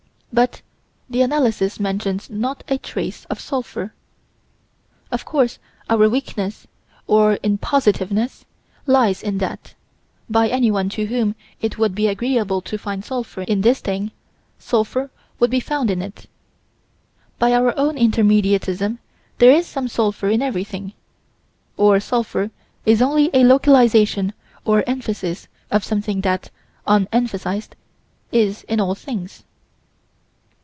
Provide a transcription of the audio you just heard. But the analysis mentions not a trace of sulphur. Of course our weakness, or impositiveness, lies in that, by anyone to whom it would be agreeable to find sulphur in this thing, sulphur would be found in it by our own intermediatism there is some sulphur in everything, or sulphur is only a localization or emphasis of something that, unemphasized, is in all things.